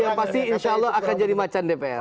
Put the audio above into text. yang pasti insya allah akan jadi macan dpr